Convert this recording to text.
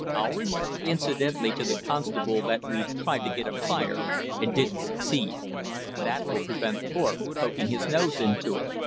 "I'll remark incidentally to the constable that we've tried to get a fire, and didn't succeed. That will prevent Thorpe poking his nose into it."